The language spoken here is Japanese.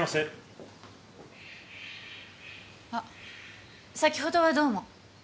あっ先ほどはどうも。